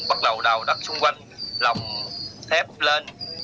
bắt đầu đào đặt xung quanh lòng thép lên